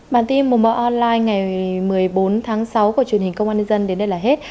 bản tin mùa online ngày một mươi bốn tháng sáu của truyền hình công an nhân dân đến đây là hết